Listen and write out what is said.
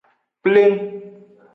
Pleng.